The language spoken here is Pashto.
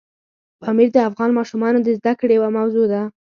پامیر د افغان ماشومانو د زده کړې یوه موضوع ده.